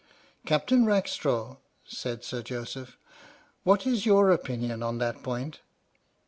" Captain Rackstraw," said Sir Joseph, "what is your opinion on that point?"